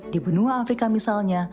di benua afrika misalnya